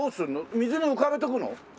水に浮かべとくの？